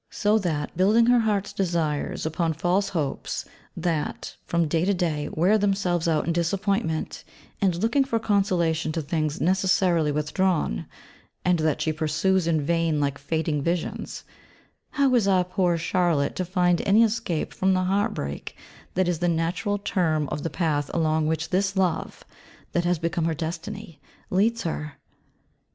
So that, building her heart's desires upon false hopes, that, from day to day, wear themselves out in disappointment, and looking for consolation to things necessarily withdrawn; and that she pursues in vain like 'fading visions,' how is our poor Charlotte to find any escape from the heart break that is the natural term of the path along which this Love, that has become her destiny, leads her?